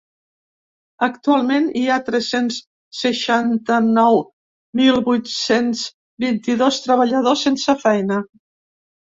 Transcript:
Actualment, hi ha tres-cents seixanta-nou mil vuit-cents vint-i-dos treballadors sense feina.